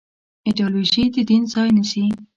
ایدیالوژي د دین ځای نيسي.